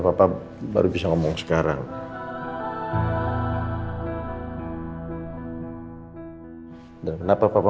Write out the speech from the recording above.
tapi semua beg beg aja kan